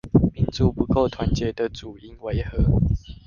民族不夠團結的主因為何？